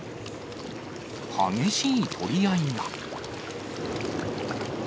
激しい取り合いが。